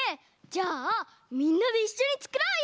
じゃあみんなでいっしょにつくろうよ！